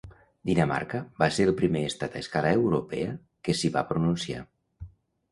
Dinamarca va ser el primer estat a escala europea que s’hi va pronunciar.